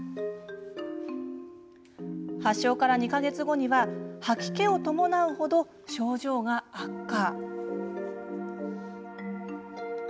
発症から２か月後には吐き気を伴うほど症状が悪化。